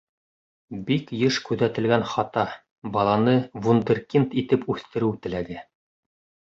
Бик йыш күҙәтелгән хата — баланы вундеркинд итеп үҫтереү теләге.